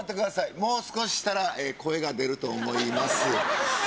もう少ししたら、声が出ると思います。